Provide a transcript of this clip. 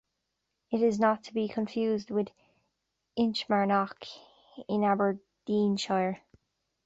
It is not to be confused with Inchmarnock in Aberdeenshire.